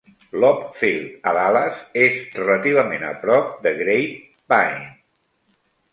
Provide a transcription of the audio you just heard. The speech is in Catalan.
Love Field, a Dallas, és relativament a prop de Grapevine.